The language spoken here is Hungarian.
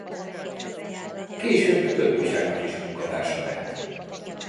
Később több újságnak is munkatársa lett.